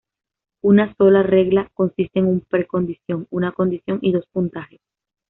Una sola regla consiste en una pre condición, una condición y dos puntajes.